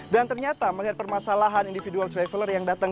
dan ternyata melihat permasalahan individual traveler yang datang